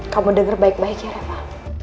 kamu denger baik baik ya rema